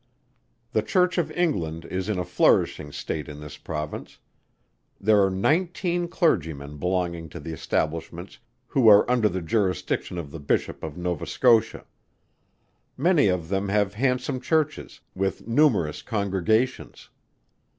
The Church of England is in a flourishing state in this Province; there are nineteen Clergymen belonging to the establishment who are under the jurisdiction of the Bishop of Nova Scotia. Many of them have handsome churches with numerous congregations.